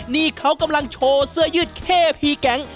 นี่เขากำลังโชว์เสื้อยืดเข้พีแก๊ง